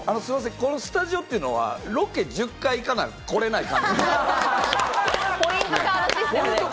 スタジオというのはロケ１０回いかな、来れない感じですか？